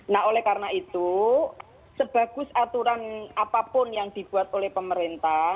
nah oleh karena itu sebagus aturan apapun yang dibuat oleh pemerintah